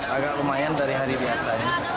agak lumayan dari hari biasanya